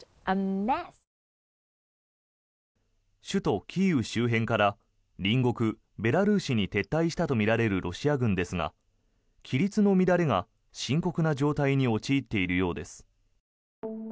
首都キーウ周辺から隣国ベラルーシに撤退したとみられるロシア軍ですが規律の乱れが深刻な状態に陥っているようです。